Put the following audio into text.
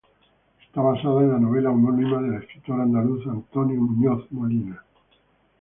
Está basada en la novela homónima del escritor andaluz Antonio Muñoz Molina.